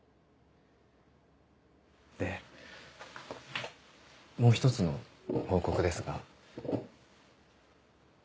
でもう１つの報告ですが。